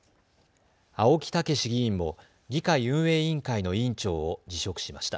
青木健議員も議会運営委員会の委員長を辞職しました。